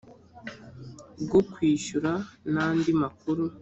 bwo kwishyura n andi makuru